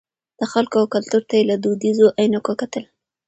د خلکو او کلتور ته یې له دودیزو عینکو کتل.